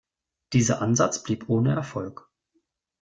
Dieser Ansatz blieb ohne Erfolg.